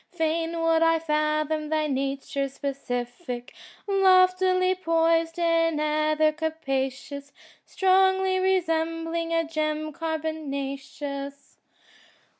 Fain would I fathom thy nature's specific Loftily poised in ether capacious. Strongly resembling a gem carbonaceous.